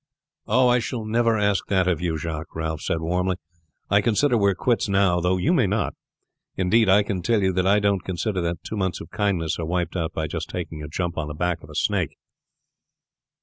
"I shall never ask that of you, Jacques," Ralph said warmly. "I consider we are quits now, though you may not. Indeed, I can tell you that I don't consider that two months of kindness are wiped out by just taking a jump on to the back of a snake."